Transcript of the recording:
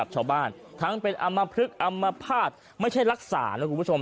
ชอบ้านทั้งเป็นอำมะพึกอำมะพาดไม่ใช่รักษานะคุณผู้ทุกผู้ชม